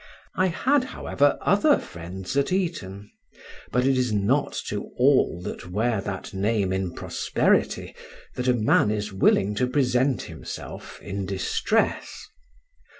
I had, however, other friends at Eton; but it is not to all that wear that name in prosperity that a man is willing to present himself in distress.